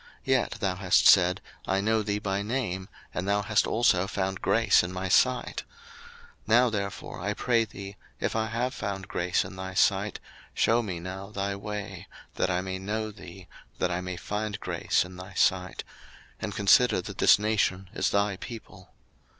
Yet thou hast said, I know thee by name, and thou hast also found grace in my sight. 02:033:013 Now therefore, I pray thee, if I have found grace in thy sight, shew me now thy way, that I may know thee, that I may find grace in thy sight: and consider that this nation is thy people.